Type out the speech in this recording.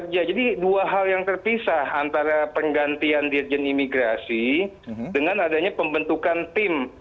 jadi dua hal yang terpisah antara penggantian dirjen imigrasi dengan adanya pembentukan tim